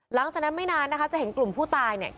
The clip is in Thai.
หลังจากนั้นไม่นานนะคะจะเห็นกลุ่มผู้ตายเนี่ย